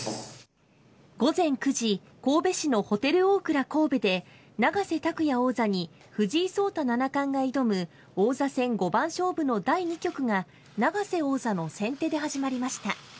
午前９時、神戸市のホテルオークラ神戸で、永瀬拓矢王座に藤井聡太七冠が挑む、王座戦五番勝負の第２局が、永瀬王座の先手で始まりました。